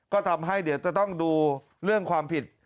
ก็ทำให้เดี๋ยวจะต้องดูเรื่องความผิด